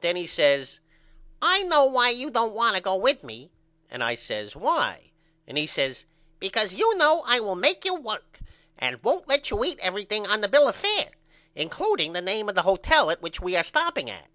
Then he says I know why you don't want to go with me and I says Why? And he says Because you know I will make you work and won't let you eat everything on the bill of fair includeing the name of the hotel at which we are stopping at.